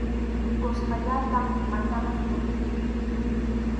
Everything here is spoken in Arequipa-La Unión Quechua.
Kuskallataq maytapas purinku.